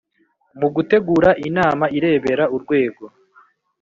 mu Gutegura inama irebera Urwego